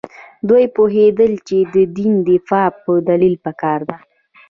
دوی پوهېدل چې د دین دفاع په دلیل پکار ده.